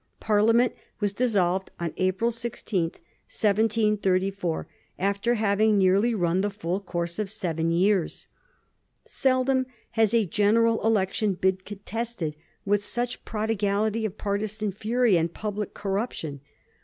Parliament was dis solved on April 16, 1734, after having nearly run the full course of seven years. Seldom has a general election been contested with such a prodigality of partisan fury and public corruption.